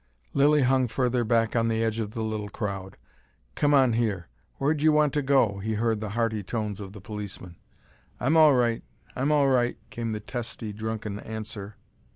Lilly hung further back on the edge of the little crowd. "Come on here. Where d' you want to go?" he heard the hearty tones of the policeman. "I'm all right. I'm all right," came the testy drunken answer.